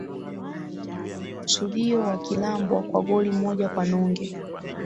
kusudio wakilambwa kwa goli moja kwa nunge